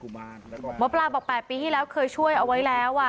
หมอปลาบอก๘ปีที่แล้วเคยช่วยเอาไว้แล้ว